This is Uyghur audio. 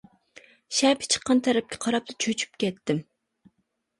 شەپە چىققان تەرەپكە قاراپلا، چۆچۈپ كەتتىم.